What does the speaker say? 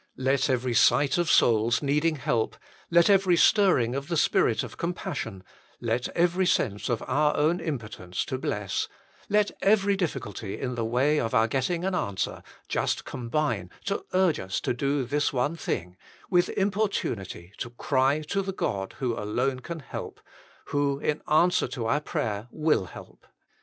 Let every sight of souls needing help, let every stirring of the spirit of compassion, let every sense of our own impotence to bless, let every difficulty in the way of our getting an answer, just combine to urge us to do this one thing: with importunity to 42 THE MINISTRY OF INTERCESSION cry to the God who alone can help, who, in answer to our prayer, will help.